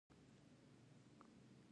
د ونو ترمنځ غنم هم کرل کیږي.